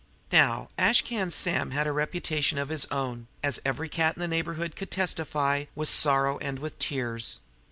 Now, Ash Can Sam had a reputation of his own, as every cat in the neighborhood could testify with sorrow and with tears.